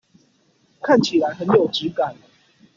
看起來很有質感